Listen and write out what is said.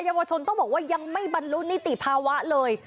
เยาวชนต้องบอกว่ายังไม่บรรลุนิติภาวะเลย